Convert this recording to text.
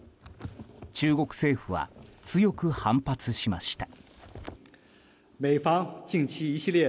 中国政府は強く反発しました。